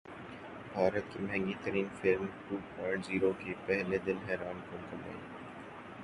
بھارت کی مہنگی ترین فلم ٹو پوائنٹ زیرو کی پہلے دن حیران کن کمائی